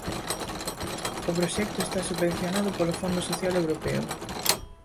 O proxecto está subvencionado polo Fondo Social Europeo.